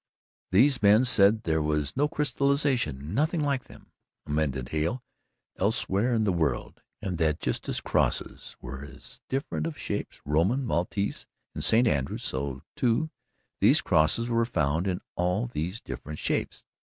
These men said there was no crystallization nothing like them, amended Hale elsewhere in the world, and that just as crosses were of different shapes Roman, Maltese and St. Andrew's so, too, these crosses were found in all these different shapes.